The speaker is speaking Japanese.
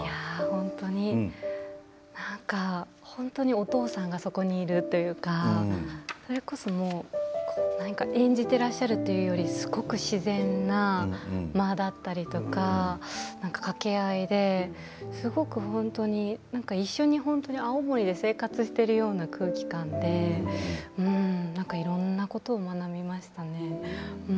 本当に本当にお父さんがそこにいるというかそれこそ、もう演じていらっしゃるというよりすごく自然な間だったりとか掛け合いで一緒に本当に青森で生活しているような空気感でいろんなことを学びましたね。